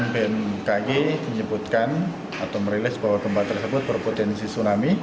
bmkg menyebutkan atau merilis bahwa gempa tersebut berpotensi tsunami